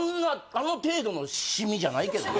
あの程度のシミじゃないけどね